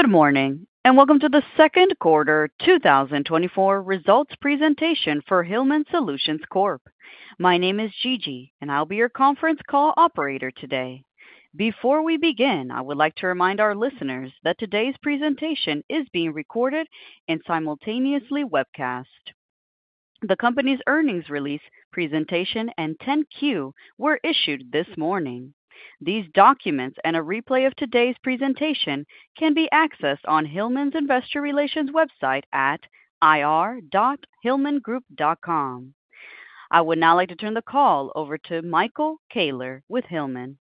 Good morning, and welcome to the second quarter 2024 results presentation for Hillman Solutions Corp. My name is Gigi, and I'll be your conference call operator today. Before we begin, I would like to remind our listeners that today's presentation is being recorded and simultaneously webcast. The company's earnings release, presentation, and 10-Q were issued this morning. These documents and a replay of today's presentation can be accessed on Hillman's Investor Relations website at ir.hillmangroup.com. I would now like to turn the call over to Michael Koehler with Hillman.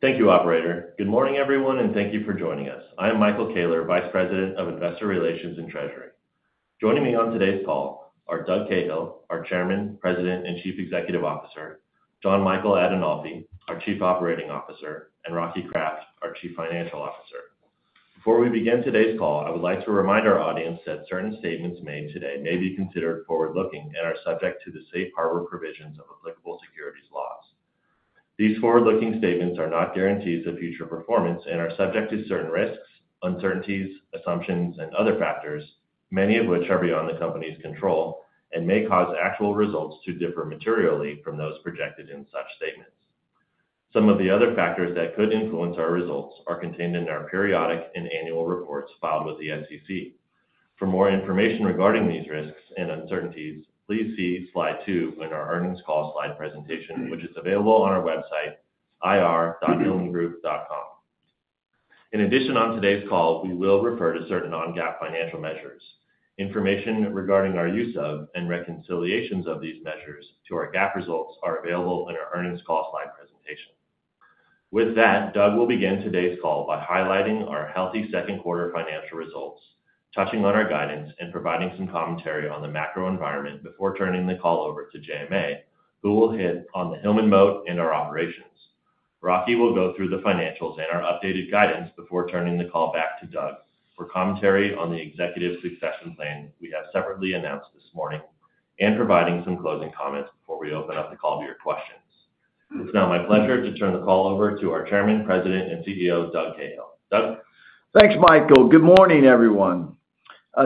Thank you, operator. Good morning, everyone, and thank you for joining us. I am Michael Koehler, Vice President of Investor Relations and Treasury. Joining me on today's call are Doug Cahill, our Chairman, President, and Chief Executive Officer; Jon Michael Adinolfi, our Chief Operating Officer; and Rocky Kraft, our Chief Financial Officer. Before we begin today's call, I would like to remind our audience that certain statements made today may be considered forward-looking and are subject to the safe harbor provisions of applicable securities laws. These forward-looking statements are not guarantees of future performance and are subject to certain risks, uncertainties, assumptions, and other factors, many of which are beyond the company's control and may cause actual results to differ materially from those projected in such statements. Some of the other factors that could influence our results are contained in our periodic and annual reports filed with the SEC. For more information regarding these risks and uncertainties, please see slide two in our earnings call slide presentation, which is available on our website, ir.hillmangroup.com. In addition, on today's call, we will refer to certain non-GAAP financial measures. Information regarding our use of and reconciliations of these measures to our GAAP results are available in our earnings call slide presentation. With that, Doug will begin today's call by highlighting our healthy second quarter financial results, touching on our guidance, and providing some commentary on the macro environment before turning the call over to JMA, who will hit on the Hillman moat and our operations. Rocky will go through the financials and our updated guidance before turning the call back to Doug for commentary on the executive succession plan we have separately announced this morning, and providing some closing comments before we open up the call to your questions. It's now my pleasure to turn the call over to our Chairman, President, and CEO, Doug Cahill. Doug? Thanks, Michael. Good morning, everyone.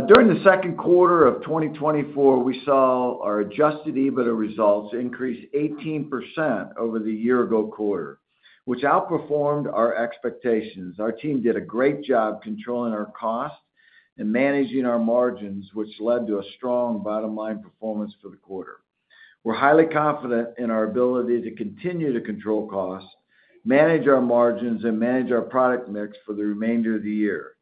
During the second quarter of 2024, we saw our Adjusted EBITDA results increase 18% over the year ago quarter, which outperformed our expectations. Our team did a great job controlling our costs and managing our margins, which led to a strong bottom line performance for the quarter. We're highly confident in our ability to continue to control costs, manage our margins, and manage our product mix for the remainder of the year.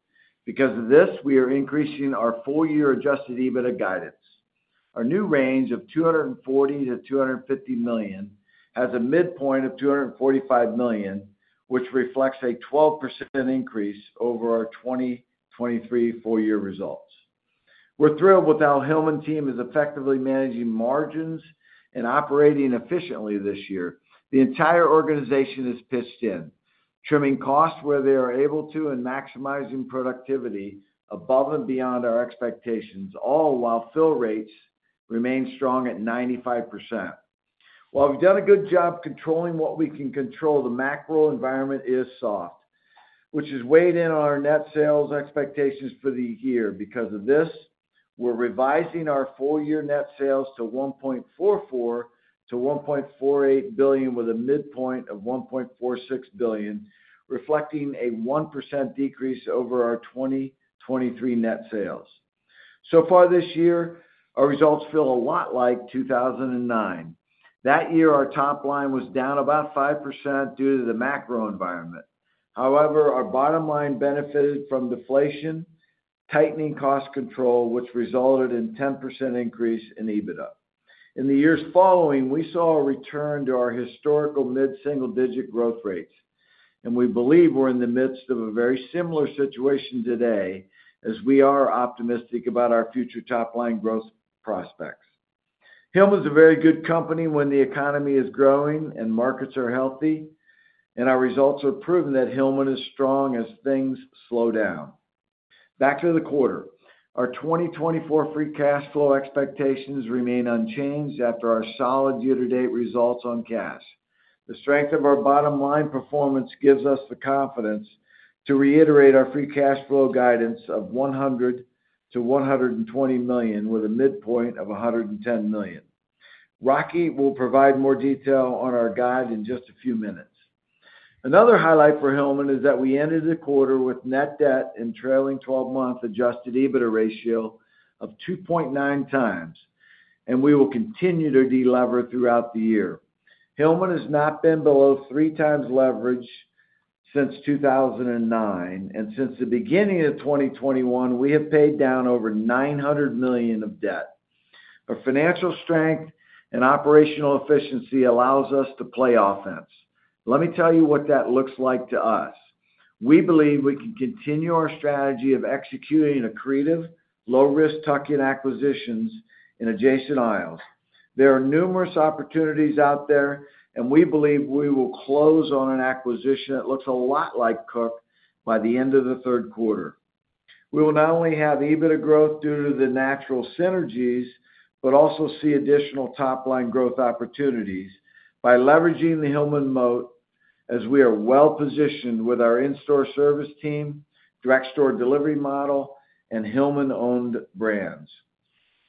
Because of this, we are increasing our full-year Adjusted EBITDA guidance. Our new range of $240 million-$250 million has a midpoint of $245 million, which reflects a 12% increase over our 2023 full year results. We're thrilled with how Hillman team is effectively managing margins and operating efficiently this year. The entire organization is pitched in, trimming costs where they are able to, and maximizing productivity above and beyond our expectations, all while fill rates remain strong at 95%. While we've done a good job controlling what we can control, the macro environment is soft, which has weighed in on our net sales expectations for the year. Because of this, we're revising our full year net sales to $1.44 billion-$1.48 billion, with a midpoint of $1.46 billion, reflecting a 1% decrease over our 2023 net sales. So far this year, our results feel a lot like 2009. That year, our top line was down about 5% due to the macro environment. However, our bottom line benefited from deflation, tightening cost control, which resulted in 10% increase in EBITDA. In the years following, we saw a return to our historical mid-single-digit growth rates, and we believe we're in the midst of a very similar situation today as we are optimistic about our future top line growth prospects. Hillman's a very good company when the economy is growing and markets are healthy, and our results are proving that Hillman is strong as things slow down. Back to the quarter. Our 2024 free cash flow expectations remain unchanged after our solid year-to-date results on cash. The strength of our bottom line performance gives us the confidence to reiterate our free cash flow guidance of $100 million-$120 million, with a midpoint of $110 million. Rocky will provide more detail on our guide in just a few minutes. Another highlight for Hillman is that we ended the quarter with net debt and trailing twelve-month Adjusted EBITDA ratio of 2.9 times, and we will continue to delever throughout the year. Hillman has not been below three times leverage since 2009, and since the beginning of 2021, we have paid down over $900 million of debt. Our financial strength and operational efficiency allows us to play offense. Let me tell you what that looks like to us. We believe we can continue our strategy of executing accretive, low risk tuck-in acquisitions in adjacent aisles. There are numerous opportunities out there, and we believe we will close on an acquisition that looks a lot like Koch by the end of the third quarter... We will not only have EBITDA growth due to the natural synergies, but also see additional top-line growth opportunities by leveraging the Hillman moat, as we are well-positioned with our in-store service team, direct store delivery model, and Hillman-owned brands.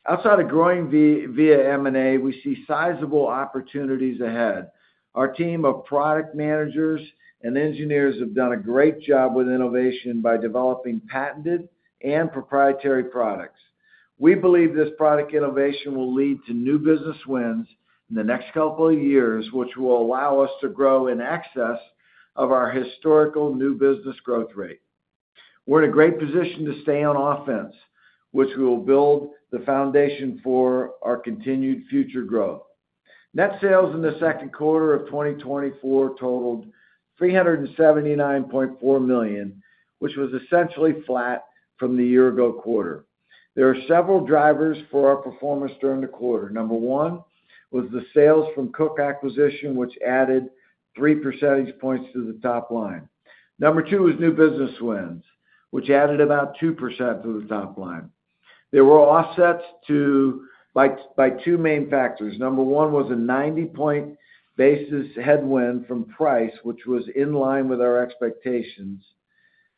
Outside of growing via M&A, we see sizable opportunities ahead. Our team of product managers and engineers have done a great job with innovation by developing patented and proprietary products. We believe this product innovation will lead to new business wins in the next couple of years, which will allow us to grow in excess of our historical new business growth rate. We're in a great position to stay on offense, which will build the foundation for our continued future growth. Net sales in the second quarter of 2024 totaled $379.4 million, which was essentially flat from the year-ago quarter. There are several drivers for our performance during the quarter. Number one was the sales from Koch acquisition, which added three percentage points to the top line. Number two is new business wins, which added about 2% to the top line. There were offsets by two main factors. Number one was a 90-point basis headwind from price, which was in line with our expectations.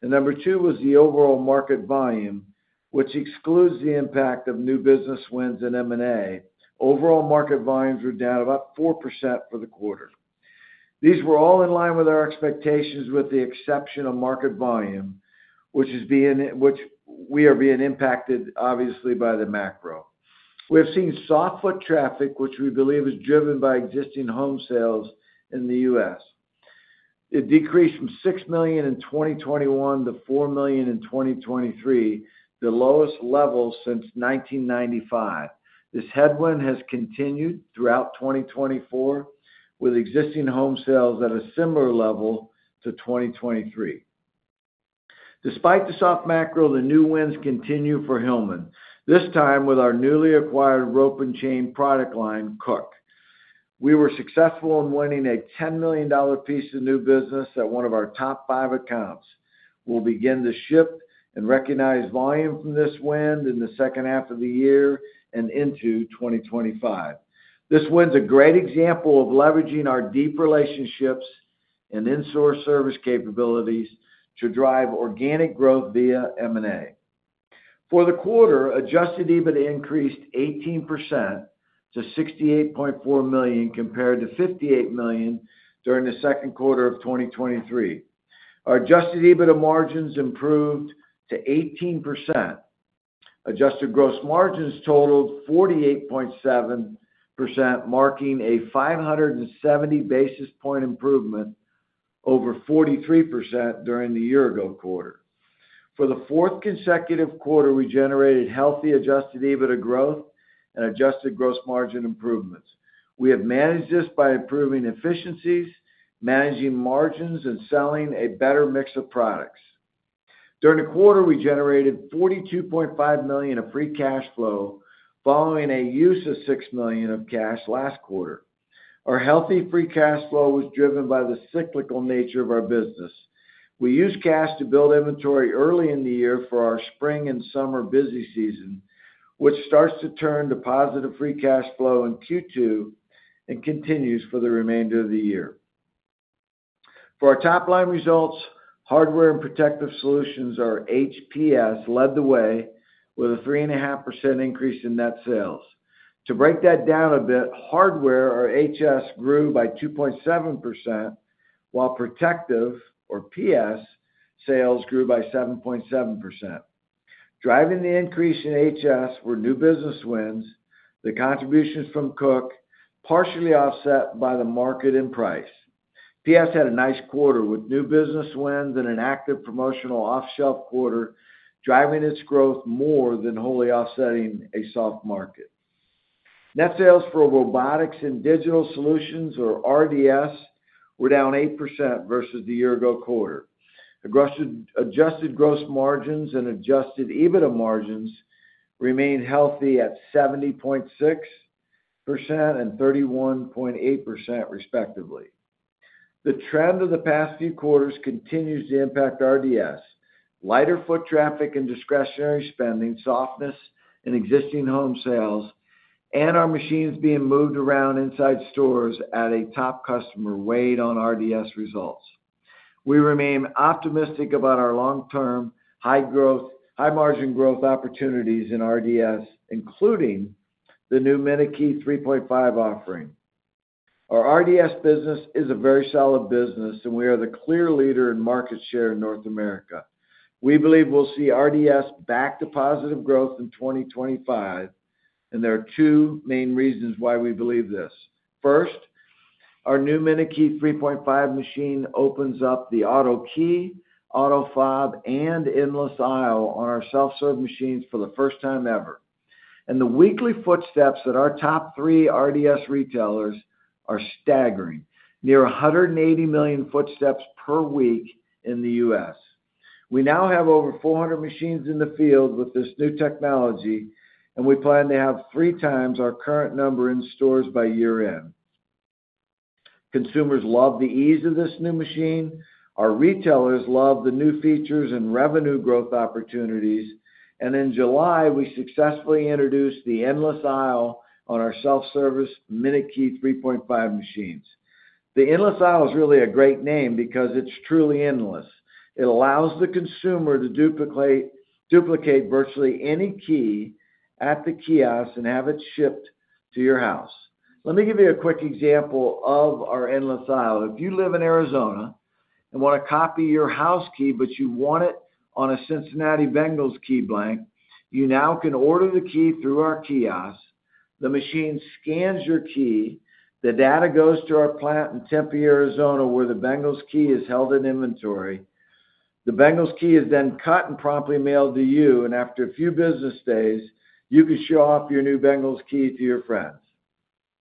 And number two was the overall market volume, which excludes the impact of new business wins and M&A. Overall market volumes were down about 4% for the quarter. These were all in line with our expectations, with the exception of market volume, which we are being impacted, obviously, by the macro. We have seen soft foot traffic, which we believe is driven by existing home sales in the U.S. It decreased from six million in 2021 to four million in 2023, the lowest level since 1995. This headwind has continued throughout 2024, with existing home sales at a similar level to 2023. Despite the soft macro, the new wins continue for Hillman, this time with our newly acquired rope and chain product line, Koch. We were successful in winning a $10 million piece of new business at one of our top five accounts. We'll begin to ship and recognize volume from this win in the second half of the year and into 2025. This win's a great example of leveraging our deep relationships and in-store service capabilities to drive organic growth via M&A. For the quarter, Adjusted EBITDA increased 18% to $68.4 million, compared to $58 million during the second quarter of 2023. Our Adjusted EBITDA margins improved to 18%. Adjusted gross margins totaled 48.7%, marking a 570 basis point improvement over 43% during the year-ago quarter. For the fourth consecutive quarter, we generated healthy Adjusted EBITDA growth and adjusted gross margin improvements. We have managed this by improving efficiencies, managing margins, and selling a better mix of products. During the quarter, we generated $42.5 million of free cash flow, following a use of $6 million of cash last quarter. Our healthy free cash flow was driven by the cyclical nature of our business. We used cash to build inventory early in the year for our spring and summer busy season, which starts to turn to positive free cash flow in Q2 and continues for the remainder of the year. For our top-line results, Hardware and Protective Solutions, or HPS, led the way with a 3.5% increase in net sales. To break that down a bit, Hardware, or HS, grew by 2.7%, while Protective, or PS, sales grew by 7.7%. Driving the increase in HS were new business wins, the contributions from Koch, partially offset by the market and price. PS had a nice quarter, with new business wins and an active promotional off-shelf quarter, driving its growth more than wholly offsetting a soft market. Net sales for Robotics and Digital Solutions, or RDS, were down 8% versus the year-ago quarter. Adjusted gross margins and Adjusted EBITDA margins remained healthy at 70.6% and 31.8%, respectively. The trend of the past few quarters continues to impact RDS. Lighter foot traffic and discretionary spending, softness in existing home sales, and our machines being moved around inside stores at a top customer weighed on RDS results. We remain optimistic about our long-term, high growth, high-margin growth opportunities in RDS, including the new Minute Key 3.5 offering. Our RDS business is a very solid business, and we are the clear leader in market share in North America. We believe we'll see RDS back to positive growth in 2025, and there are two main reasons why we believe this. First, our new Minute Key 3.5 machine opens up the auto key, auto fob, and Endless Aisle on our self-serve machines for the first time ever. The weekly footsteps at our top three RDS retailers are staggering, near 180 million footsteps per week in the U.S. We now have over 400 machines in the field with this new technology, and we plan to have three times our current number in stores by year-end. Consumers love the ease of this new machine, our retailers love the new features and revenue growth opportunities, and in July, we successfully introduced the Endless Aisle on our self-service Minute Key 3.5 machines. The Endless Aisle is really a great name because it's truly endless. It allows the consumer to duplicate, duplicate virtually any key at the kiosk and have it shipped to your house. Let me give you a quick example of our Endless Aisle. If you live in Arizona and want to copy your house key, but you want it on a Cincinnati Bengals key blank, you now can order the key through our kiosk. The machine scans your key, the data goes to our plant in Tempe, Arizona, where the Bengals key is held in inventory. The Bengals key is then cut and promptly mailed to you, and after a few business days, you can show off your new Bengals key to your friends.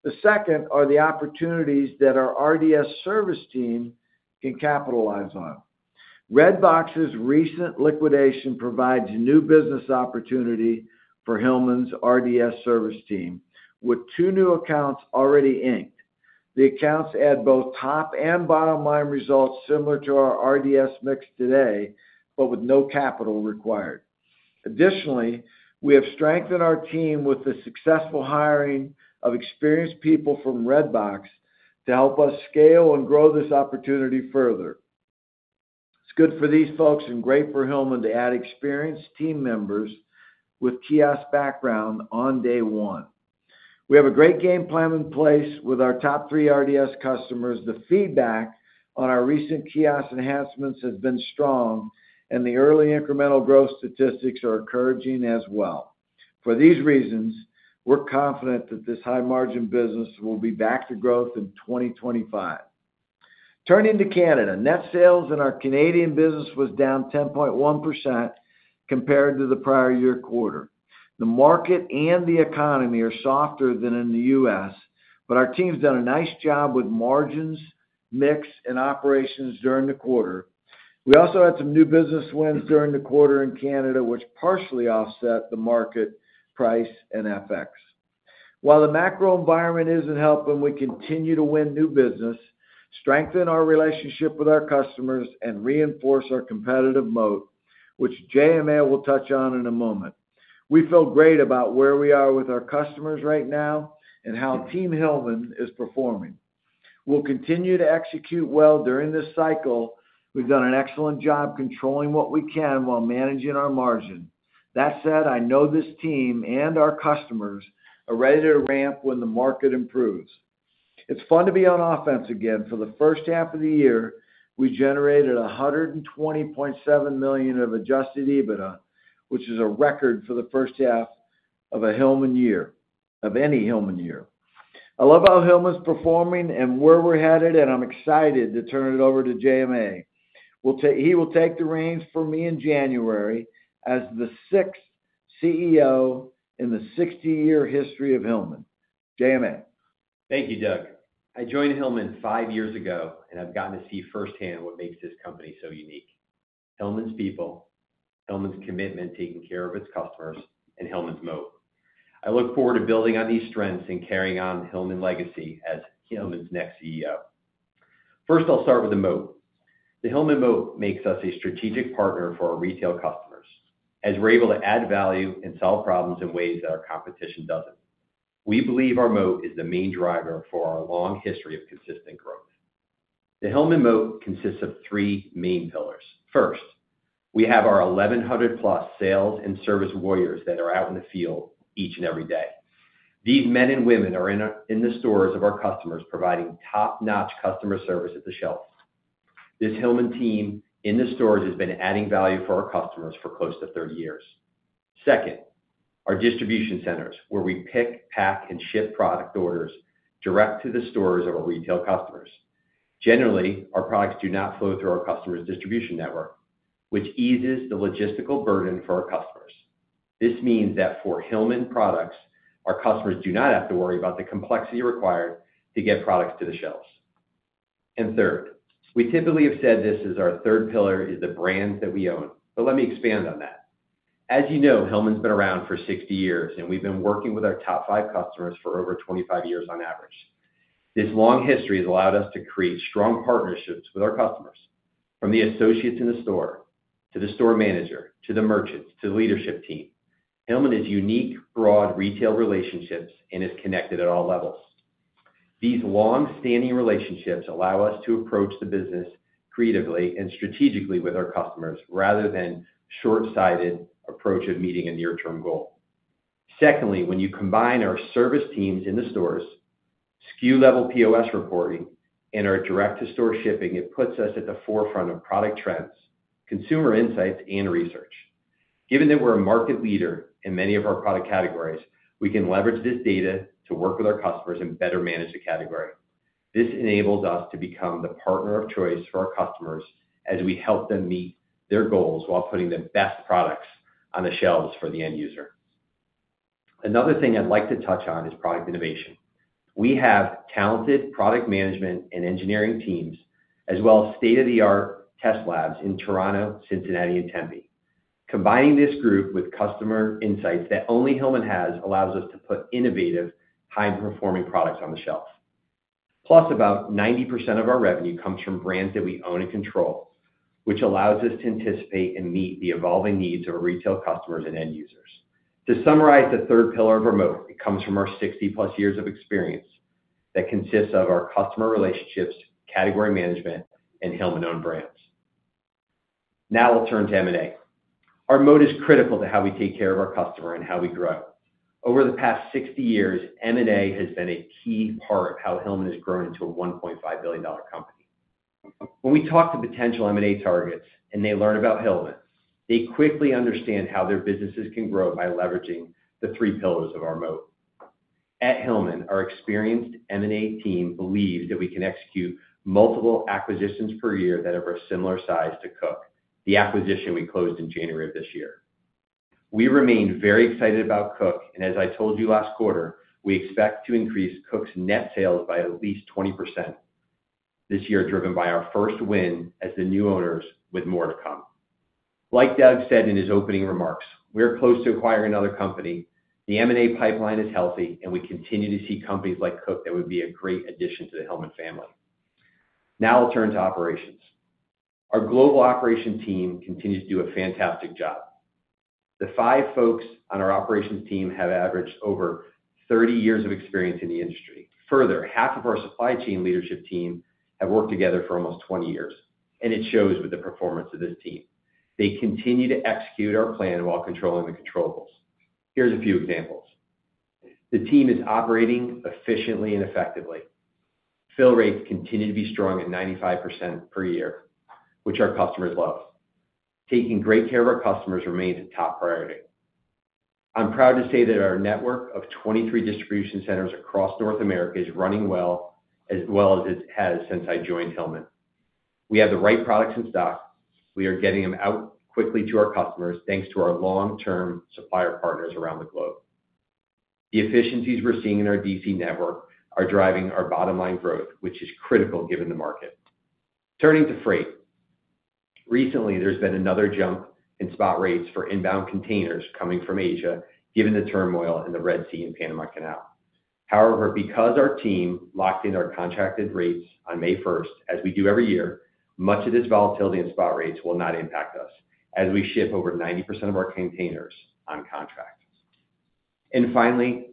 The second are the opportunities that our RDS service team can capitalize on. Redbox's recent liquidation provides a new business opportunity for Hillman's RDS service team, with two new accounts already inked. The accounts add both top and bottom line results similar to our RDS mix today, but with no capital required. Additionally, we have strengthened our team with the successful hiring of experienced people from Redbox to help us scale and grow this opportunity further. It's good for these folks and great for Hillman to add experienced team members with kiosk background on day one. We have a great game plan in place with our top three RDS customers. The feedback on our recent kiosk enhancements has been strong, and the early incremental growth statistics are encouraging as well. For these reasons, we're confident that this high-margin business will be back to growth in 2025. Turning to Canada. Net sales in our Canadian business was down 10.1% compared to the prior year quarter. The market and the economy are softer than in the U.S., but our team's done a nice job with margins, mix, and operations during the quarter. We also had some new business wins during the quarter in Canada, which partially offset the market price and FX. While the macro environment isn't helping, we continue to win new business, strengthen our relationship with our customers, and reinforce our competitive moat, which JMA will touch on in a moment. We feel great about where we are with our customers right now and how Team Hillman is performing. We'll continue to execute well during this cycle. We've done an excellent job controlling what we can while managing our margin. That said, I know this team and our customers are ready to ramp when the market improves. It's fun to be on offense again. For the first half of the year, we generated $120.7 million of Adjusted EBITDA, which is a record for the first half of a Hillman year, of any Hillman year. I love how Hillman's performing and where we're headed, and I'm excited to turn it over to JMA. He will take the reins from me in January as the sixth CEO in the 60-year history of Hillman. JMA. Thank you, Doug. I joined Hillman five years ago, and I've gotten to see firsthand what makes this company so unique: Hillman's people, Hillman's commitment to taking care of its customers, and Hillman's moat. I look forward to building on these strengths and carrying on the Hillman legacy as Hillman's next CEO. First, I'll start with the moat. The Hillman moat makes us a strategic partner for our retail customers, as we're able to add value and solve problems in ways that our competition doesn't. We believe our moat is the main driver for our long history of consistent growth. The Hillman moat consists of three main pillars. First, we have our 1,100+ sales and service warriors that are out in the field each and every day. These men and women are in the stores of our customers, providing top-notch customer service at the shelves. This Hillman team in the stores has been adding value for our customers for close to 30 years. Second, our distribution centers, where we pick, pack, and ship product orders direct to the stores of our retail customers. Generally, our products do not flow through our customers' distribution network, which eases the logistical burden for our customers. This means that for Hillman products, our customers do not have to worry about the complexity required to get products to the shelves. And third, we typically have said this, as our third pillar is the brands that we own, but let me expand on that. As you know, Hillman's been around for 60 years, and we've been working with our top five customers for over 25 years on average. This long history has allowed us to create strong partnerships with our customers, from the associates in the store, to the store manager, to the merchants, to the leadership team. Hillman has unique, broad retail relationships and is connected at all levels. These long-standing relationships allow us to approach the business creatively and strategically with our customers, rather than short-sighted approach of meeting a near-term goal. Secondly, when you combine our service teams in the stores, SKU-level POS reporting, and our direct-to-store shipping, it puts us at the forefront of product trends, consumer insights, and research. Given that we're a market leader in many of our product categories, we can leverage this data to work with our customers and better manage the category. This enables us to become the partner of choice for our customers as we help them meet their goals while putting the best products on the shelves for the end user. Another thing I'd like to touch on is product innovation. We have talented product management and engineering teams, as well as state-of-the-art test labs in Toronto, Cincinnati, and Tempe, combining this group with customer insights that only Hillman has, allows us to put innovative, high-performing products on the shelves. Plus, about 90% of our revenue comes from brands that we own and control, which allows us to anticipate and meet the evolving needs of our retail customers and end users. To summarize the third pillar of our moat, it comes from our 60+ years of experience that consists of our customer relationships, category management, and Hillman-owned brands. Now we'll turn to M&A. Our moat is critical to how we take care of our customer and how we grow. Over the past 60 years, M&A has been a key part of how Hillman has grown into a $1.5 billion company. When we talk to potential M&A targets and they learn about Hillman, they quickly understand how their businesses can grow by leveraging the three pillars of our moat. At Hillman, our experienced M&A team believes that we can execute multiple acquisitions per year that are of a similar size to Koch, the acquisition we closed in January of this year. We remain very excited about Koch, and as I told you last quarter, we expect to increase Koch's net sales by at least 20% this year, driven by our first win as the new owners, with more to come. Like Doug said in his opening remarks, we are close to acquiring another company. The M&A pipeline is healthy, and we continue to see companies like Koch that would be a great addition to the Hillman family. Now I'll turn to operations. Our global operations team continues to do a fantastic job. The five folks on our operations team have averaged over 30 years of experience in the industry. Further, half of our supply chain leadership team have worked together for almost 20 years, and it shows with the performance of this team. They continue to execute our plan while controlling the controllables. Here's a few examples: The team is operating efficiently and effectively. Fill rates continue to be strong at 95% per year, which our customers love. Taking great care of our customers remains a top priority. I'm proud to say that our network of 23 distribution centers across North America is running well, as well as it has since I joined Hillman. We have the right products in stock. We are getting them out quickly to our customers, thanks to our long-term supplier partners around the globe. The efficiencies we're seeing in our DC network are driving our bottom-line growth, which is critical given the market. Turning to freight. Recently, there's been another jump in spot rates for inbound containers coming from Asia, given the turmoil in the Red Sea and Panama Canal. However, because our team locked in our contracted rates on May 1st, as we do every year, much of this volatility in spot rates will not impact us, as we ship over 90% of our containers on contract. And finally,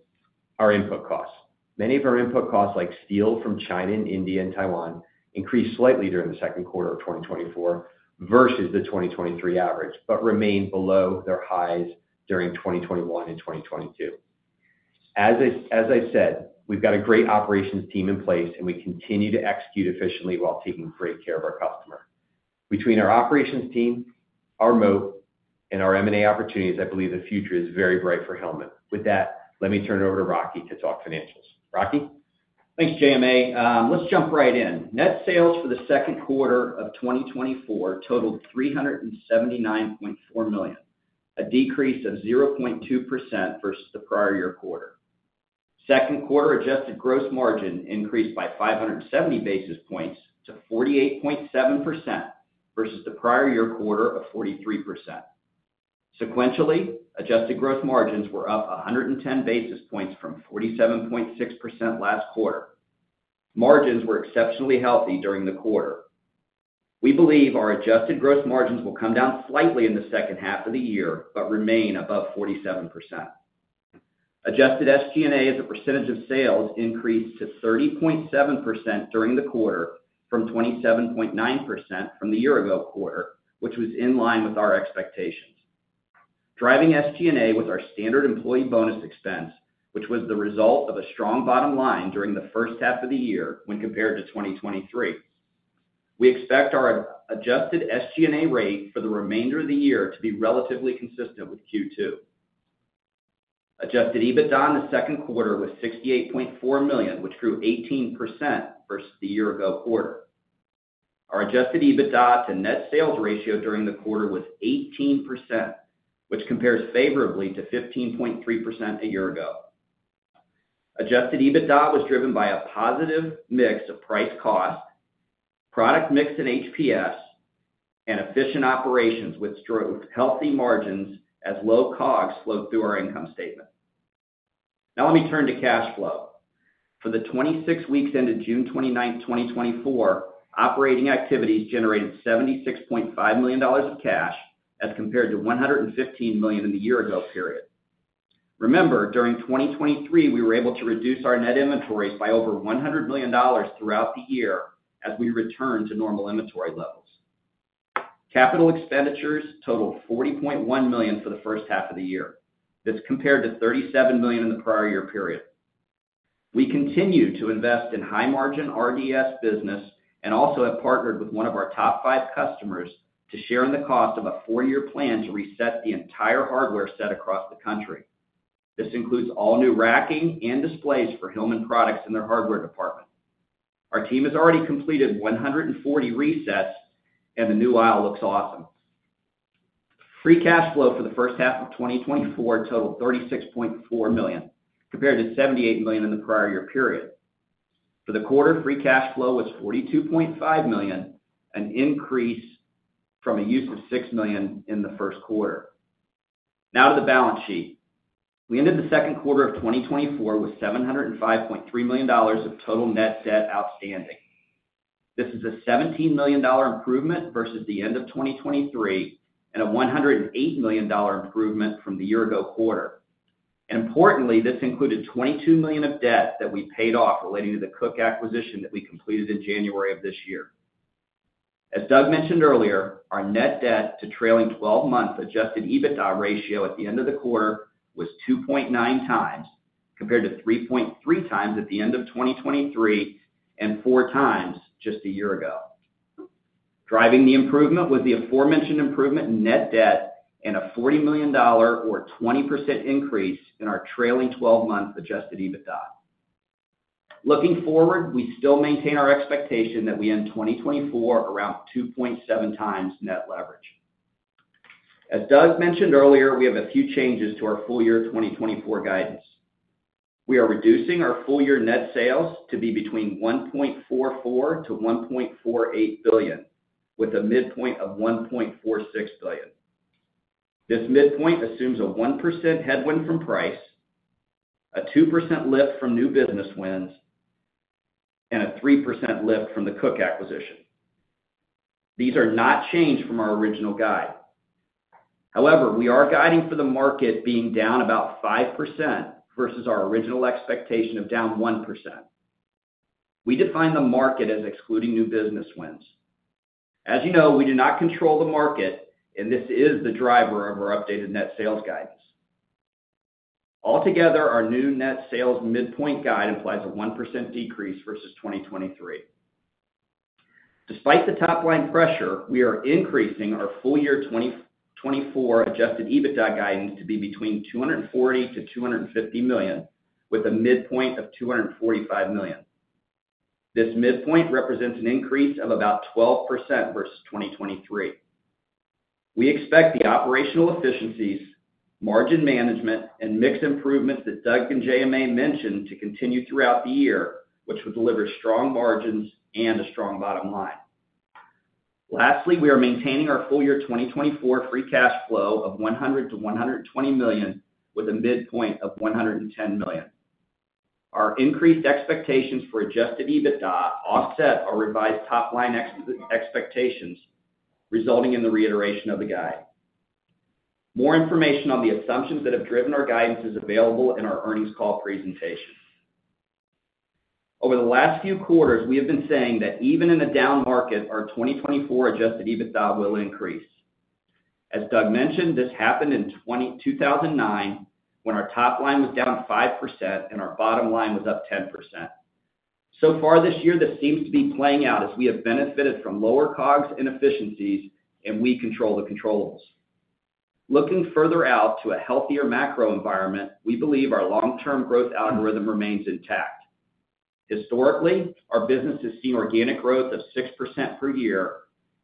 our input costs. Many of our input costs, like steel from China and India and Taiwan, increased slightly during the second quarter of 2024 versus the 2023 average, but remained below their highs during 2021 and 2022. As I, as I said, we've got a great operations team in place, and we continue to execute efficiently while taking great care of our customer. Between our operations team, our moat, and our M&A opportunities, I believe the future is very bright for Hillman. With that, let me turn it over to Rocky to talk financials. Rocky? Thanks, JMA. Let's jump right in. Net sales for the second quarter of 2024 totaled $379.4 million, a decrease of 0.2% versus the prior year quarter. Second quarter adjusted gross margin increased by 570 basis points to 48.7% versus the prior year quarter of 43%. Sequentially, adjusted gross margins were up 110 basis points from 47.6% last quarter. Margins were exceptionally healthy during the quarter. We believe our adjusted gross margins will come down slightly in the second half of the year, but remain above 47%. Adjusted SG&A, as a percentage of sales, increased to 30.7% during the quarter from 27.9% from the year ago quarter, which was in line with our expectations. Driving SG&A was our standard employee bonus expense, which was the result of a strong bottom line during the first half of the year when compared to 2023. We expect our adjusted SG&A rate for the remainder of the year to be relatively consistent with Q2. Adjusted EBITDA in the second quarter was $68.4 million, which grew 18% versus the year ago quarter. Our Adjusted EBITDA to net sales ratio during the quarter was 18%, which compares favorably to 15.3% a year ago. Adjusted EBITDA was driven by a positive mix of price cost, product mix in HPS, and efficient operations, which drove healthy margins as low costs flowed through our income statement. Now let me turn to cash flow. For the 26 weeks ended June 29, 2024, operating activities generated $76.5 million of cash, as compared to $115 million in the year ago period. Remember, during 2023, we were able to reduce our net inventories by over $100 million throughout the year as we returned to normal inventory levels. Capital Expenditures totaled $40.1 million for the first half of the year. That's compared to $37 million in the prior year period. We continue to invest in high-margin RDS business and also have partnered with one of our top five customers to share in the cost of a four-year plan to reset the entire hardware set across the country. This includes all new racking and displays for Hillman products in their hardware department. Our team has already completed 140 resets, and the new aisle looks awesome. Free cash flow for the first half of 2024 totaled $36.4 million, compared to $78 million in the prior year period. For the quarter, free cash flow was $42.5 million, an increase from a use of $6 million in the first quarter. Now to the balance sheet. We ended the second quarter of 2024 with $705.3 million of total net debt outstanding. This is a $17 million improvement versus the end of 2023, and a $108 million improvement from the year ago quarter. Importantly, this included $22 million of debt that we paid off relating to the Koch acquisition that we completed in January of this year. As Doug mentioned earlier, our net debt to trailing twelve-month Adjusted EBITDA ratio at the end of the quarter was 2.9 times, compared to 3.3 times at the end of 2023, and 4 times just a year ago. Driving the improvement was the aforementioned improvement in net debt and a $40 million or 20% increase in our trailing twelve-month Adjusted EBITDA. Looking forward, we still maintain our expectation that we end 2024 around 2.7 times net leverage. As Doug mentioned earlier, we have a few changes to our full year 2024 guidance. We are reducing our full year net sales to be between $1.44 billion-$1.48 billion, with a midpoint of $1.46 billion. This midpoint assumes a 1% headwind from price, a 2% lift from new business wins, and a 3% lift from the Koch acquisition. These are not changed from our original guide. However, we are guiding for the market being down about 5% versus our original expectation of down 1%. We define the market as excluding new business wins. As you know, we do not control the market, and this is the driver of our updated net sales guidance. Altogether, our new net sales midpoint guide implies a 1% decrease versus 2023. Despite the top line pressure, we are increasing our full year 2024 Adjusted EBITDA guidance to be between $240 million-$250 million, with a midpoint of $245 million. This midpoint represents an increase of about 12% versus 2023. We expect the operational efficiencies, margin management, and mix improvements that Doug and JMA mentioned to continue throughout the year, which will deliver strong margins and a strong bottom line. Lastly, we are maintaining our full-year 2024 free cash flow of $100 million-$120 million, with a midpoint of $110 million. Our increased expectations for Adjusted EBITDA offset our revised top-line expectations, resulting in the reiteration of the guide. More information on the assumptions that have driven our guidance is available in our earnings call presentation. Over the last few quarters, we have been saying that even in a down market, our 2024 Adjusted EBITDA will increase. As Doug mentioned, this happened in 2009, when our top line was down 5% and our bottom line was up 10%. So far this year, this seems to be playing out as we have benefited from lower COGS inefficiencies, and we control the controllables. Looking further out to a healthier macro environment, we believe our long-term growth algorithm remains intact. Historically, our business has seen organic growth of 6% per year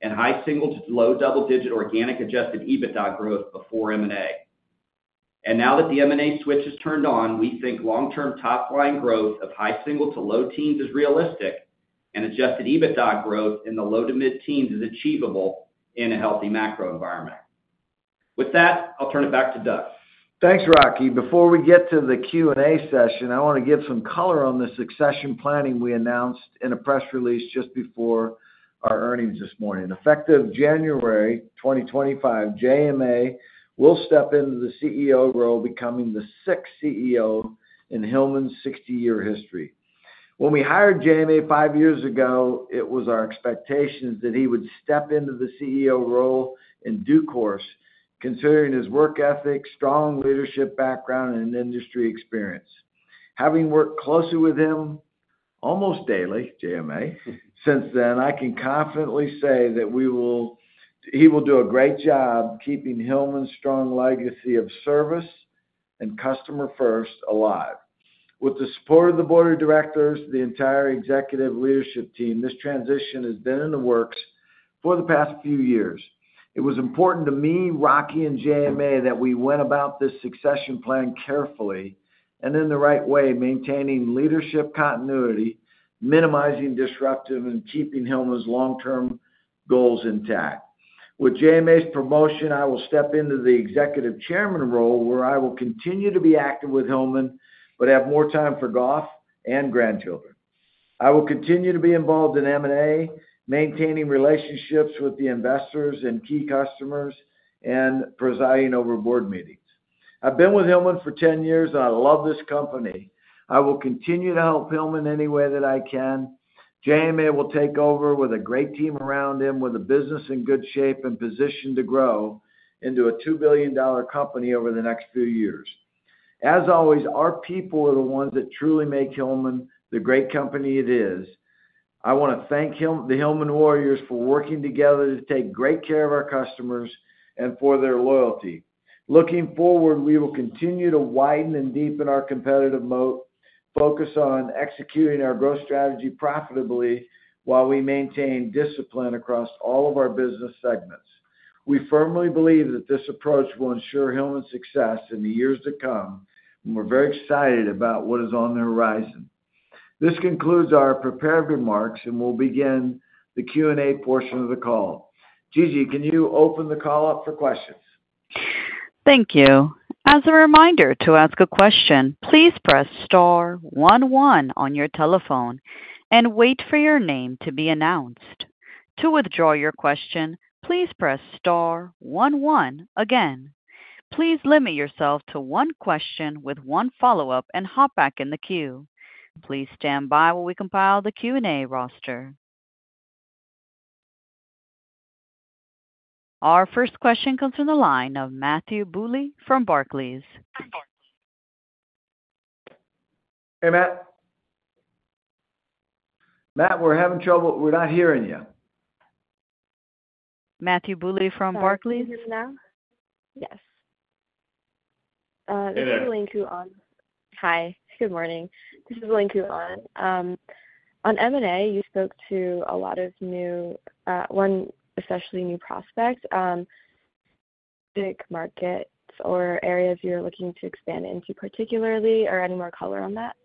and high single to low double-digit organic Adjusted EBITDA growth before M&A. And now that the M&A switch is turned on, we think long-term top-line growth of high single to low teens is realistic, and Adjusted EBITDA growth in the low to mid-teens is achievable in a healthy macro environment. With that, I'll turn it back to Doug. Thanks, Rocky. Before we get to the Q&A session, I want to give some color on the succession planning we announced in a press release just before our earnings this morning. Effective January 2025, JMA will step into the CEO role, becoming the sixth CEO in Hillman's 60-year history. When we hired JMA 5 years ago, it was our expectations that he would step into the CEO role in due course, considering his work ethic, strong leadership background, and industry experience. Having worked closely with him, almost daily, JMA, since then, I can confidently say that he will do a great job keeping Hillman's strong legacy of service and customer first alive. With the support of the board of directors, the entire executive leadership team, this transition has been in the works for the past few years. It was important to me, Rocky, and JMA that we went about this succession plan carefully and in the right way, maintaining leadership continuity, minimizing disruption, and keeping Hillman's long-term goals intact. With JMA's promotion, I will step into the executive chairman role, where I will continue to be active with Hillman, but have more time for golf and grandchildren. I will continue to be involved in M&A, maintaining relationships with the investors and key customers, and presiding over board meetings. I've been with Hillman for 10 years, and I love this company. I will continue to help Hillman any way that I can. JMA will take over with a great team around him, with the business in good shape and positioned to grow into a 2 billion dollar company over the next few years. As always, our people are the ones that truly make Hillman the great company it is. I want to thank the Hillman Warriors for working together to take great care of our customers and for their loyalty. Looking forward, we will continue to widen and deepen our competitive moat, focus on executing our growth strategy profitably, while we maintain discipline across all of our business segments. We firmly believe that this approach will ensure Hillman's success in the years to come, and we're very excited about what is on the horizon... This concludes our prepared remarks, and we'll begin the Q&A portion of the call. Gigi, can you open the call up for questions? Thank you. As a reminder, to ask a question, please press star one one on your telephone and wait for your name to be announced. To withdraw your question, please press star one one again. Please limit yourself to one question with one follow-up and hop back in the queue. Please stand by while we compile the Q&A roster. Our first question comes from the line of Matthew Bouley from Barclays. Hey, Matt. Matt, we're having trouble. We're not hearing you. Matthew Bouley from Barclays? Can you hear me now? Yes. Hey there. This is Ling Wang. Hi, good morning. This is Ling Wang. On M&A, you spoke to a lot of new, one, especially new prospect, big markets or areas you're looking to expand into particularly, or any more color on that?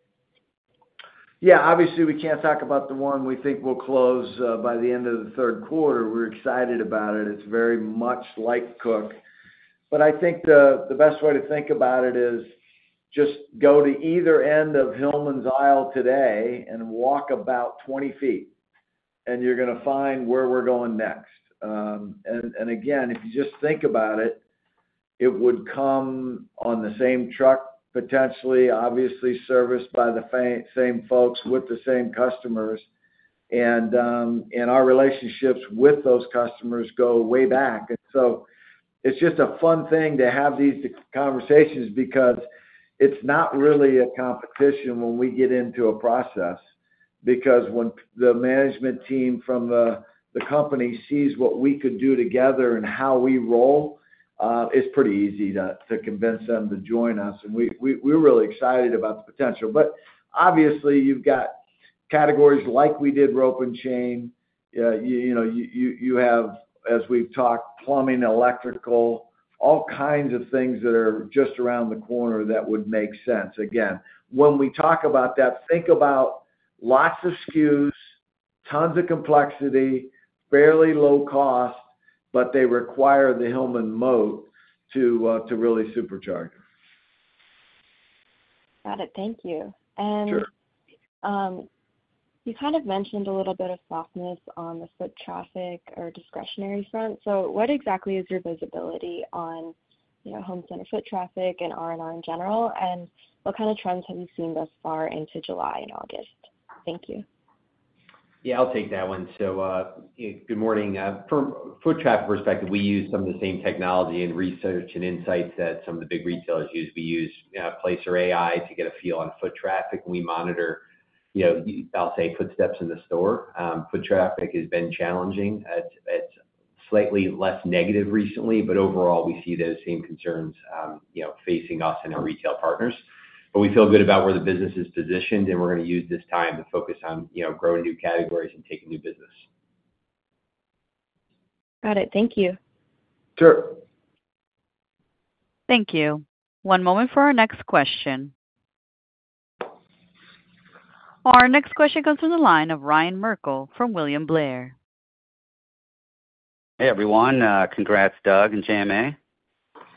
Yeah, obviously, we can't talk about the one we think will close by the end of the third quarter. We're excited about it. It's very much like Koch. But I think the best way to think about it is just go to either end of Hillman's aisle today and walk about 20 feet, and you're gonna find where we're going next. And again, if you just think about it, it would come on the same truck, potentially, obviously, serviced by the same folks with the same customers. And our relationships with those customers go way back. So it's just a fun thing to have these conversations because it's not really a competition when we get into a process, because when the management team from the company sees what we could do together and how we roll, it's pretty easy to convince them to join us, and we're really excited about the potential. But obviously, you've got categories like we did, rope and chain, you know, you have, as we've talked, plumbing, electrical, all kinds of things that are just around the corner that would make sense. Again, when we talk about that, think about lots of SKUs, tons of complexity, fairly low cost, but they require the Hillman moat to really supercharge. Got it. Thank you. Sure. You kind of mentioned a little bit of softness on the foot traffic or discretionary front. So what exactly is your visibility on, you know, home center, foot traffic, and R&R in general? What kind of trends have you seen thus far into July and August? Thank you. Yeah, I'll take that one. So, good morning. From foot traffic perspective, we use some of the same technology and research and insights that some of the big retailers use. We use, Placer.ai to get a feel on foot traffic. We monitor, you know, I'll say, footsteps in the store. Foot traffic has been challenging. It's, it's slightly less negative recently, but overall, we see those same concerns, you know, facing us and our retail partners. But we feel good about where the business is positioned, and we're going to use this time to focus on, you know, growing new categories and taking new business. Got it. Thank you. Sure. Thank you. One moment for our next question. Our next question comes from the line of Ryan Merkel from William Blair. Hey, everyone. Congrats, Doug and JMA.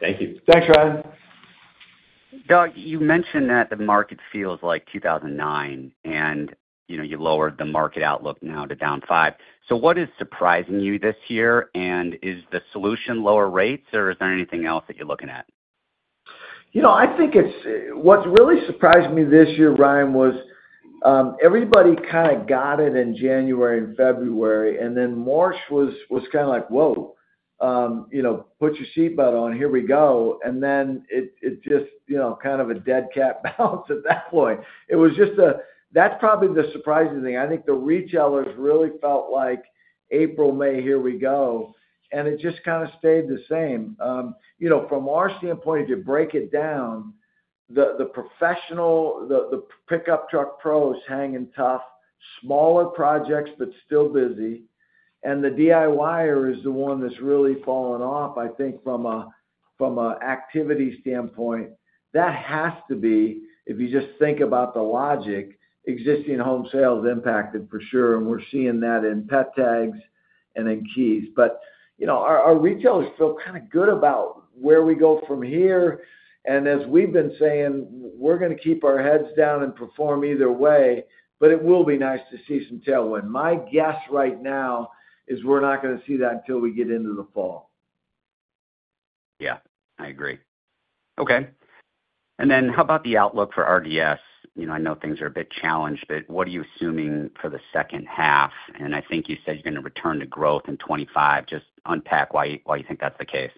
Thank you. Thanks, Ryan. Doug, you mentioned that the market feels like 2009, and, you know, you lowered the market outlook now to down five. So what is surprising you this year, and is the solution lower rates, or is there anything else that you're looking at? You know, I think it's what's really surprised me this year, Ryan, was, everybody kinda got it in January and February, and then March was kind of like: Whoa, you know, put your seatbelt on. Here we go. And then it just, you know, kind of a dead cat bounce at that point. It was just a. That's probably the surprising thing. I think the retailers really felt like April, May, here we go, and it just kind of stayed the same. You know, from our standpoint, to break it down, the professional, the pickup truck pros hanging tough, smaller projects, but still busy, and the DIYer is the one that's really fallen off, I think, from a activity standpoint. That has to be, if you just think about the logic, existing home sales impacted for sure, and we're seeing that in pet tags and in keys. But, you know, our retailers feel kind of good about where we go from here, and as we've been saying, we're gonna keep our heads down and perform either way, but it will be nice to see some tailwind. My guess right now is we're not gonna see that until we get into the fall. Yeah, I agree. Okay, and then how about the outlook for RDS? You know, I know things are a bit challenged, but what are you assuming for the second half? And I think you said you're gonna return to growth in 2025. Just unpack why, why you think that's the case.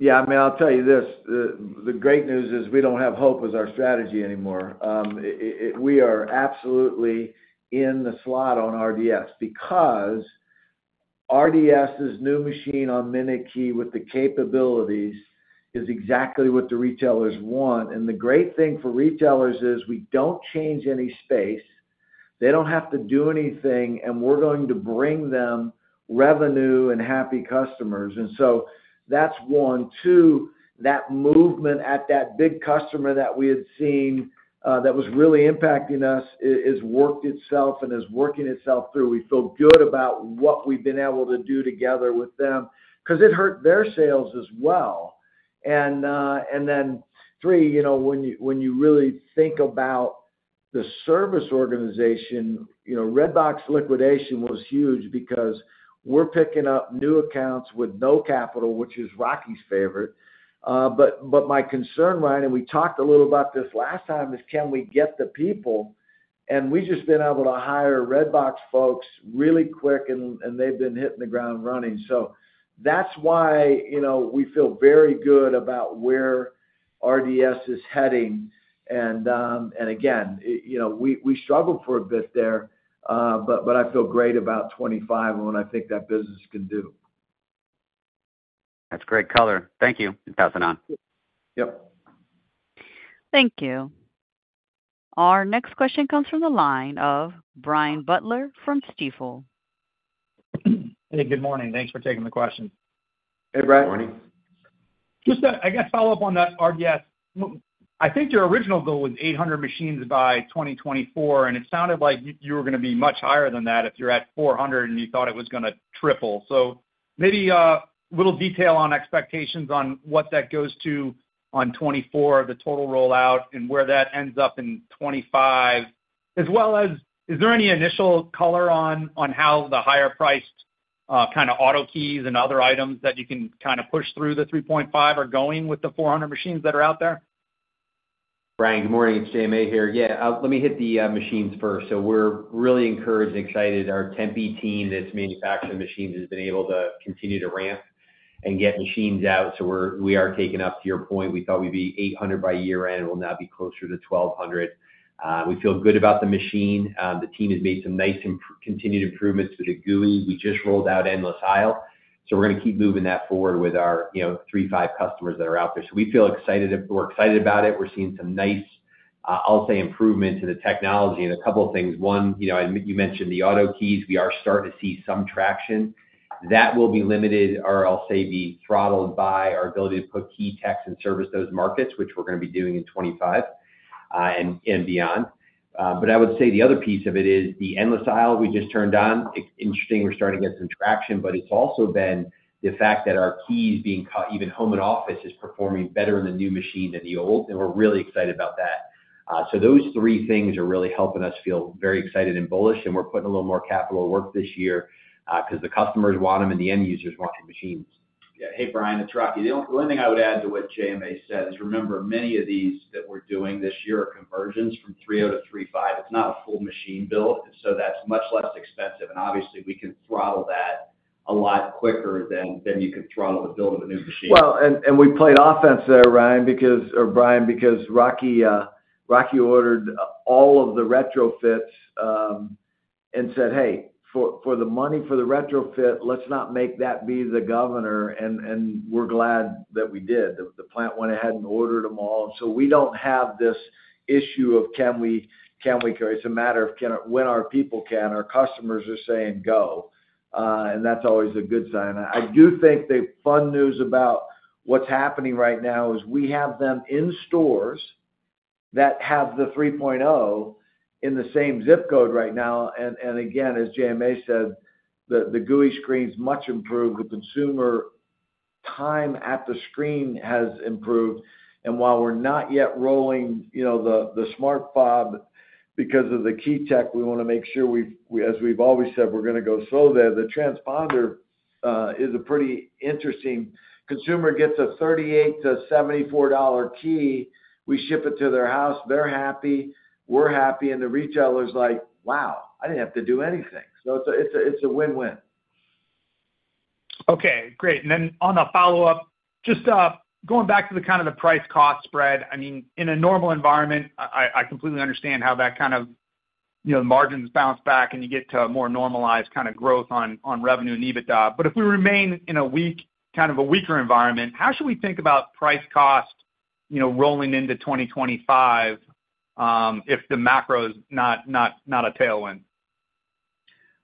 Yeah, I mean, I'll tell you this: the great news is we don't have hope as our strategy anymore. It—we are absolutely in the slot on RDS, because RDS's new machine on Minute Key with the capabilities is exactly what the retailers want. And the great thing for retailers is we don't change any space. They don't have to do anything, and we're going to bring them revenue and happy customers. And so that's one. Two, that movement at that big customer that we had seen, that was really impacting us, has worked itself and is working itself through. We feel good about what we've been able to do together with them, 'cause it hurt their sales as well. And then three, you know, when you, when you really think about the service organization, you know, Redbox liquidation was huge because we're picking up new accounts with no capital, which is Rocky's favorite. But my concern, Ryan, and we talked a little about this last time, is can we get the people? And we've just been able to hire Redbox folks really quick, and they've been hitting the ground running. So that's why, you know, we feel very good about where RDS is heading. And again, you know, we struggled for a bit there, but I feel great about 2025 and what I think that business can do. That's great color. Thank you, and passing on. Yep. Thank you. Our next question comes from the line of Brian Butler from Stifel. Hey, good morning. Thanks for taking the question. Hey, Brian. Morning. Just a, I guess, follow-up on that RDS. I think your original goal was 800 machines by 2024, and it sounded like you were gonna be much higher than that if you're at 400, and you thought it was gonna triple. So maybe a little detail on expectations on what that goes to on 2024, the total rollout, and where that ends up in 2025, as well as, is there any initial color on how the higher priced kind of auto keys and other items that you can kind of push through the 3.5 are going with the 400 machines that are out there? Brian, good morning, it's JMA here. Yeah, let me hit the machines first. So we're really encouraged and excited. Our Tempe team, that's manufacturing machines, has been able to continue to ramp and get machines out. So we are taking up to your point. We thought we'd be 800 by year-end, we'll now be closer to 1,200. We feel good about the machine. The team has made some nice continued improvements to the GUI. We just rolled out Endless Aisle, so we're gonna keep moving that forward with our, you know, 3.5 customers that are out there. So we feel excited, we're excited about it. We're seeing some nice, I'll say, improvements in the technology, and a couple of things. One, you know, and you mentioned the auto keys. We are starting to see some traction. That will be limited, or I'll say, be throttled by our ability to put key techs and service those markets, which we're gonna be doing in 25, and beyond. But I would say the other piece of it is the Endless Aisle we just turned on. It's interesting, we're starting to get some traction, but it's also been the fact that our keys being even home and office, is performing better in the new machine than the old, and we're really excited about that. So those three things are really helping us feel very excited and bullish, and we're putting a little more capital to work this year, 'cause the customers want them, and the end users want the machines. Yeah. Hey, Brian, it's Rocky. The only thing I would add to what JMA said is, remember, many of these that we're doing this year are conversions from 3.0 to 3.5. It's not a full machine build, and so that's much less expensive. And obviously, we can throttle that a lot quicker than, than you could throttle the build of a new machine. Well, and, and we played offense there, Ryan, because, or Brian, because Rocky, Rocky ordered all of the retrofits, and said, "Hey, for, for the money for the retrofit, let's not make that be the governor," and, and we're glad that we did. The, the plant went ahead and ordered them all. So we don't have this issue of can we, can we carry? It's a matter of when our people can, our customers are saying go, and that's always a good sign. I do think the fun news about what's happening right now is we have them in stores that have the 3.0 in the same zip code right now. And again, as JMA said, the GUI screen's much improved. The consumer time at the screen has improved. And while we're not yet rolling, you know, the smart fob because of the key tech, we wanna make sure we've, as we've always said, we're gonna go slow there. The transponder is a pretty interesting. Consumer gets a $38-$74 key. We ship it to their house, they're happy, we're happy, and the retailer's like, "Wow, I didn't have to do anything." So it's a win-win. Okay, great. And then on the follow-up, just going back to the kind of the price cost spread. I mean, in a normal environment, I completely understand how that kind of, you know, the margins bounce back, and you get to a more normalized kind of growth on revenue and EBITDA. But if we remain in a weak, kind of a weaker environment, how should we think about price cost, you know, rolling into 2025, if the macro is not a tailwind?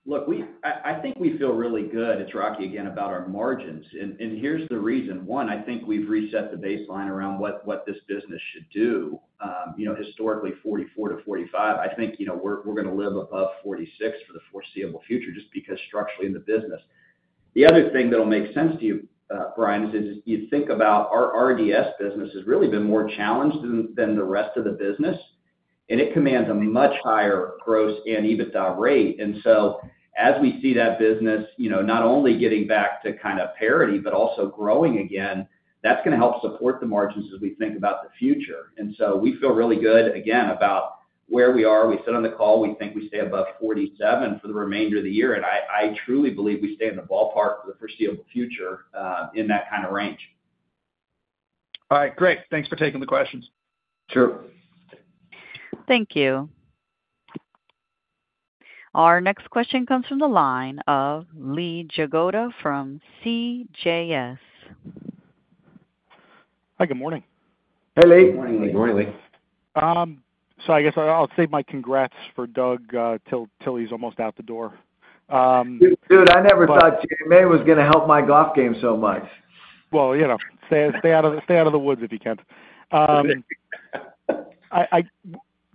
Look, we-- I, I think we feel really good, it's Rocky again, about our margins, and, and here's the reason. One, I think we've reset the baseline around what, what this business should do. You know, historically, 44-45. I think, you know, we're, we're gonna live above 46 for the foreseeable future, just because structurally in the business. The other thing that'll make sense to you, Brian, is, you think about our RDS business has really been more challenged than, than the rest of the business, and it commands a much higher gross and EBITDA rate. And so as we see that business, you know, not only getting back to kind of parity, but also growing again, that's gonna help support the margins as we think about the future. And so we feel really good, again, about where we are. We said on the call, we think we stay above 47 for the remainder of the year, and I, I truly believe we stay in the ballpark for the foreseeable future, in that kind of range. All right, great. Thanks for taking the questions. Sure. Thank you. Our next question comes from the line of Lee Jagoda from CJS. Hi, good morning. Hey, Lee. Good morning, Lee. Good morning, Lee. I guess I'll save my congrats for Doug till he's almost out the door. Dude, I never thought JMA was gonna help my golf game so much. Well, you know, stay out of the woods if you can.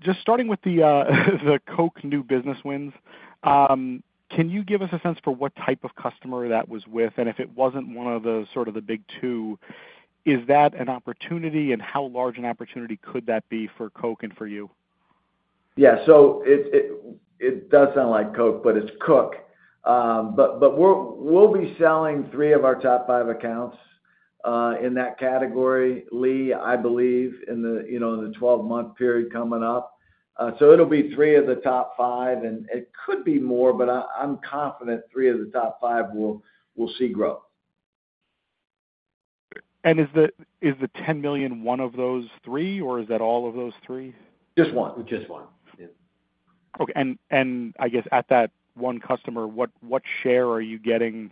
Just starting with the Koch new business wins, can you give us a sense for what type of customer that was with? And if it wasn't one of the sort of the big two, is that an opportunity, and how large an opportunity could that be for Koch and for you? Yeah. So it does sound like Coke, but it's Koch. But we'll be selling three of our top five accounts in that category, Lee, I believe, in the, you know, in the 12-month period coming up. So it'll be three of the top five, and it could be more, but I'm confident three of the top five will see growth. Is the $10 million one of those three, or is that all of those three? Just one. Just one, yeah. Okay. And, and I guess at that one customer, what, what share are you getting?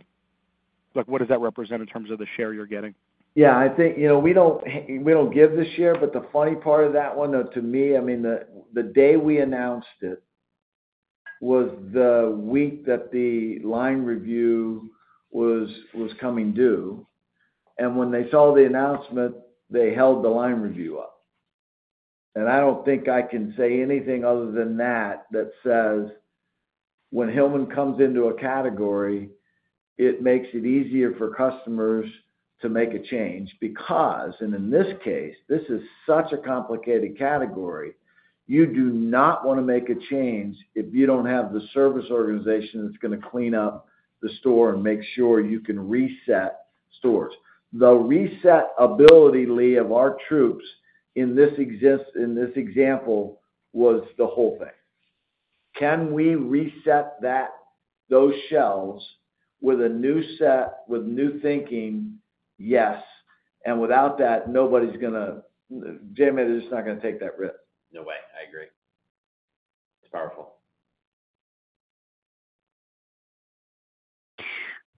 Like, what does that represent in terms of the share you're getting? Yeah, I think, you know, we don't give the share, but the funny part of that one, though, to me, I mean, the day we announced it was the week that the line review was coming due. And when they saw the announcement, they held the line review up. And I don't think I can say anything other than that that says when Hillman comes into a category, it makes it easier for customers to make a change because... And in this case, this is such a complicated category, you do not wanna make a change if you don't have the service organization that's gonna clean up the store and make sure you can reset stores. The reset ability, Lee, of our troops in this example, was the whole thing. Can we reset those shelves with a new set, with new thinking? Yes. And without that, nobody's gonna-- JMA is just not gonna take that risk. No way. I agree. It's powerful.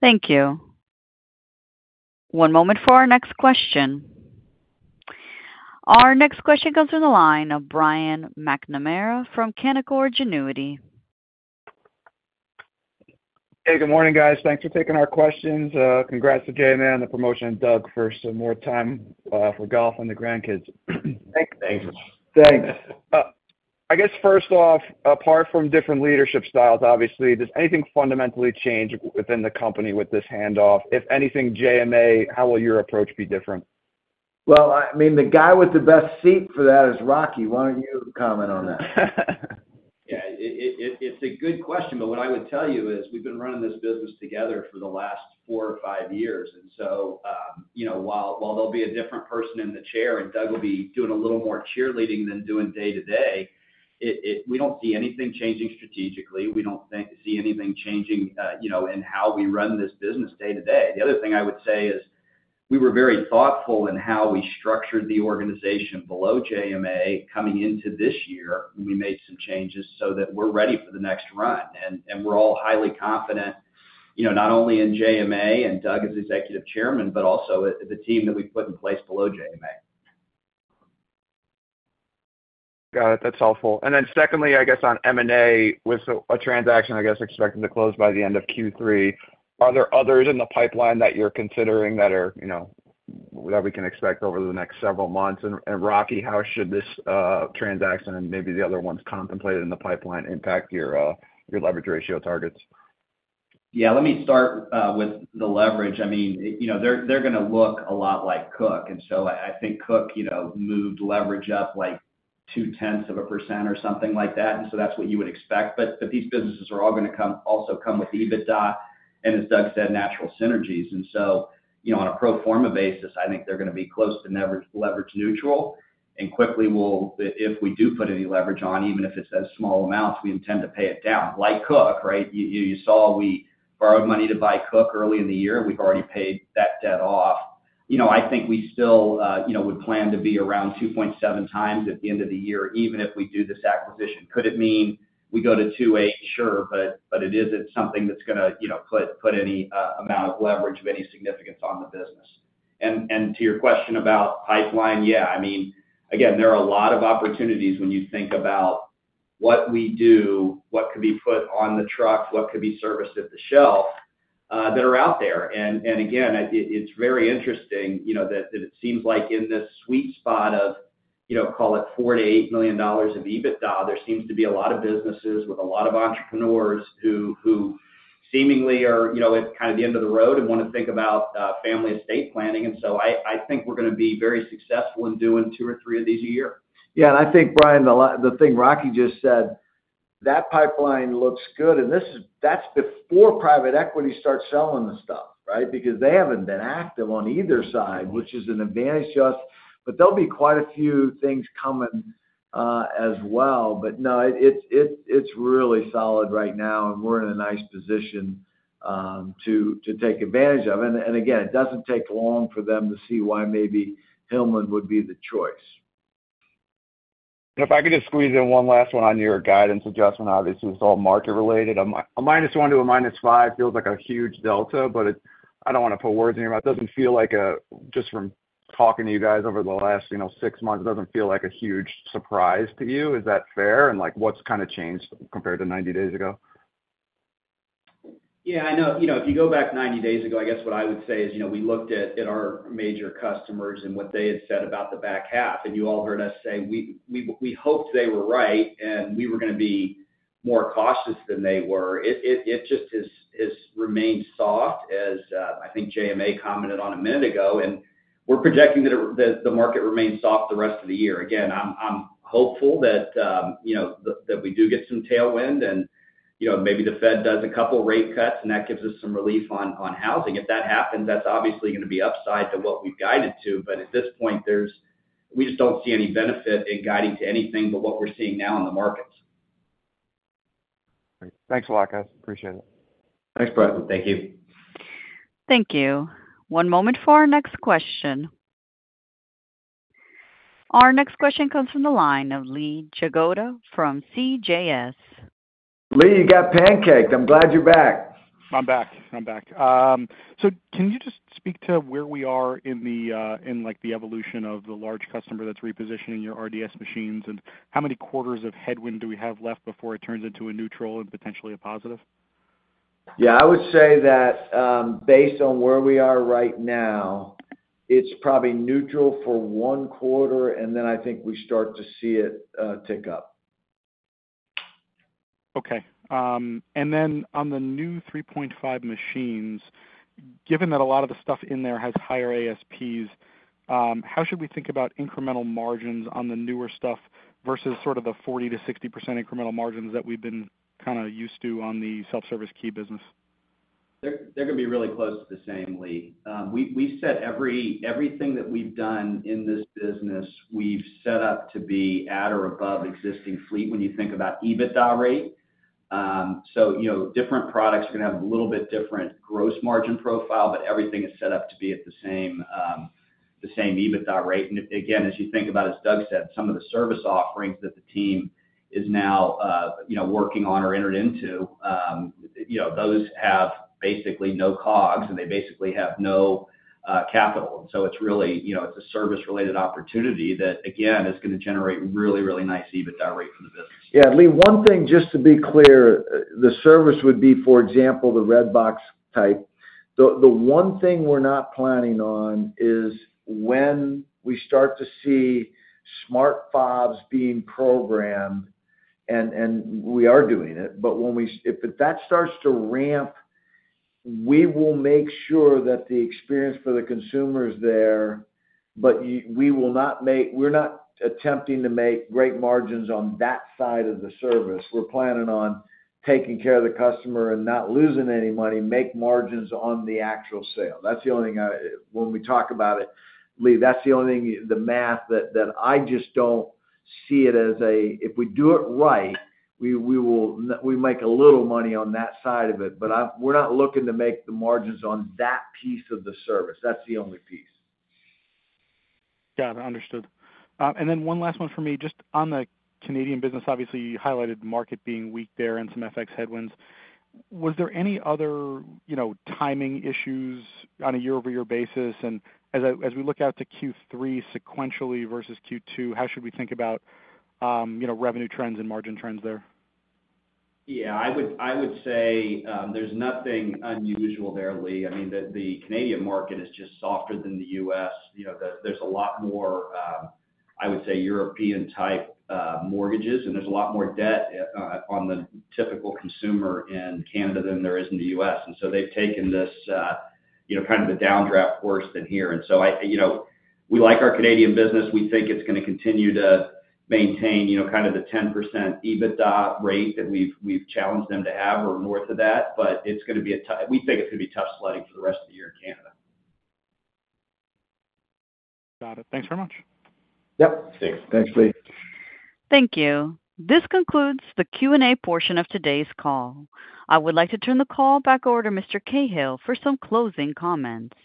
Thank you. One moment for our next question. Our next question comes from the line of Brian McNamara from Canaccord Genuity. Hey, good morning, guys. Thanks for taking our questions. Congrats to JMA on the promotion, and Doug, for some more time, for golf and the grandkids. Thanks. Thanks. Thanks. I guess, first off, apart from different leadership styles, obviously, does anything fundamentally change within the company with this handoff? If anything, JMA, how will your approach be different? Well, I mean, the guy with the best seat for that is Rocky. Why don't you comment on that? Yeah, it's a good question, but what I would tell you is, we've been running this business together for the last four or five years, and so, you know, while there'll be a different person in the chair, and Doug will be doing a little more cheerleading than doing day-to-day, it - we don't see anything changing strategically. We don't see anything changing, you know, in how we run this business day-to-day. The other thing I would say is, we were very thoughtful in how we structured the organization below JMA coming into this year, when we made some changes so that we're ready for the next run. And we're all highly confident, you know, not only in JMA and Doug as Executive Chairman, but also the team that we've put in place below JMA. Got it. That's helpful. And then secondly, I guess on M&A, with a transaction, I guess, expected to close by the end of Q3, are there others in the pipeline that you're considering that are, you know, that we can expect over the next several months? And, Rocky, how should this transaction and maybe the other ones contemplated in the pipeline, impact your your leverage ratio targets? Yeah, let me start with the leverage. I mean, you know, they're gonna look a lot like Koch, and so I think Koch, you know, moved leverage up, like, 0.2% or something like that, and so that's what you would expect. But these businesses are all gonna come also with EBITDA, and as Doug said, natural synergies. And so, you know, on a pro forma basis, I think they're gonna be close to leverage neutral. And quickly, if we do put any leverage on, even if it's as small amounts, we intend to pay it down, like Koch, right? You saw we borrowed money to buy Koch early in the year, and we've already paid that debt off. You know, I think we still, you know, would plan to be around 2.7 times at the end of the year, even if we do this acquisition. Could it mean we go to 2.8? Sure. But, but it isn't something that's gonna, you know, put, put any amount of leverage of any significance on the business. And, and to your question about pipeline, yeah, I mean, again, there are a lot of opportunities when you think about what we do, what could be put on the truck, what could be serviced at the shelf, that are out there. And again, it's very interesting, you know, that it seems like in this sweet spot of, you know, call it $4 million-$8 million of EBITDA, there seems to be a lot of businesses with a lot of entrepreneurs, who seemingly are, you know, at kind of the end of the road and wanna think about family estate planning. And so I think we're gonna be very successful in doing two or three of these a year. Yeah, and I think, Brian, the thing Rocky just said, that pipeline looks good, and this is—that's before private equity starts selling the stuff, right? Because they haven't been active on either side, which is an advantage to us, but there'll be quite a few things coming as well. But no, it's really solid right now, and we're in a nice position to take advantage of. And again, it doesn't take long for them to see why maybe Hillman would be the choice.... And if I could just squeeze in one last one on your guidance adjustment. Obviously, it's all market related. A minus one to a minus five feels like a huge delta, but it—I don't wanna put words in your mouth. It doesn't feel like a, just from talking to you guys over the last, you know, six months, it doesn't feel like a huge surprise to you. Is that fair? And, like, what's kind of changed compared to 90 days ago? Yeah, I know. You know, if you go back 90 days ago, I guess what I would say is, you know, we looked at our major customers and what they had said about the back half, and you all heard us say, we hoped they were right, and we were gonna be more cautious than they were. It just has remained soft as I think JMA commented on a minute ago, and we're projecting that the market remains soft the rest of the year. Again, I'm hopeful that we do get some tailwind and, you know, maybe the Fed does a couple rate cuts, and that gives us some relief on housing. If that happens, that's obviously gonna be upside to what we've guided to, but at this point, there's... We just don't see any benefit in guiding to anything but what we're seeing now in the markets. Great. Thanks a lot, guys. Appreciate it. Thanks, Brian. Thank you. Thank you. One moment for our next question. Our next question comes from the line of Lee Jagoda from CJS. Lee, you got pancaked. I'm glad you're back. I'm back. I'm back. So can you just speak to where we are in the, in, like, the evolution of the large customer that's repositioning your RDS machines? And how many quarters of headwind do we have left before it turns into a neutral and potentially a positive? Yeah, I would say that, based on where we are right now, it's probably neutral for one quarter, and then I think we start to see it, tick up. Okay. And then on the new 3.5 machines, given that a lot of the stuff in there has higher ASPs, how should we think about incremental margins on the newer stuff versus sort of the 40%-60% incremental margins that we've been kind of used to on the self-service key business? They're, they're gonna be really close to the same, Lee. We said everything that we've done in this business, we've set up to be at or above existing fleet when you think about EBITDA rate. So, you know, different products are gonna have a little bit different gross margin profile, but everything is set up to be at the same, the same EBITDA rate. And again, as you think about, as Doug said, some of the service offerings that the team is now, you know, working on or entered into, you know, those have basically no COGS, and they basically have no capital. So it's really, you know, it's a service-related opportunity that, again, is gonna generate really, really nice EBITDA rate for the business. Yeah, Lee, one thing just to be clear, the service would be, for example, the Redbox type. The one thing we're not planning on is when we start to see smart fobs being programmed, and we are doing it, but when we if that starts to ramp, we will make sure that the experience for the consumer is there, but we will not make-- we're not attempting to make great margins on that side of the service. We're planning on taking care of the customer and not losing any money, make margins on the actual sale. That's the only thing... When we talk about it, Lee, that's the only thing, the math that I just don't see it as, if we do it right, we will make a little money on that side of it. But we're not looking to make the margins on that piece of the service. That's the only piece. Got it. Understood. And then one last one for me, just on the Canadian business. Obviously, you highlighted the market being weak there and some FX headwinds. Was there any other, you know, timing issues on a year-over-year basis? And as we look out to Q3 sequentially versus Q2, how should we think about, you know, revenue trends and margin trends there? Yeah, I would say there's nothing unusual there, Lee. I mean, the Canadian market is just softer than the U.S. You know, there's a lot more I would say European-type mortgages, and there's a lot more debt on the typical consumer in Canada than there is in the U.S. And so they've taken this you know kind of a downdraft worse than here. And so I... You know, we like our Canadian business. We think it's gonna continue to maintain you know kind of the 10% EBITDA rate that we've challenged them to have or more to that, but it's gonna be tough sledding for the rest of the year in Canada. Got it. Thanks very much. Yep. Thanks. Thanks, Lee. Thank you. This concludes the Q&A portion of today's call. I would like to turn the call back over to Mr. Cahill for some closing comments.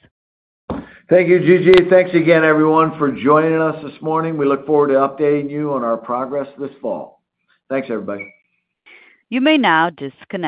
Thank you, Gigi. Thanks again, everyone, for joining us this morning. We look forward to updating you on our progress this fall. Thanks, everybody. You may now disconnect.